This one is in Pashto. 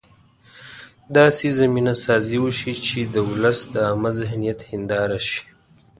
داسې زمینه سازي وشي چې د ولس د عامه ذهنیت هنداره شي.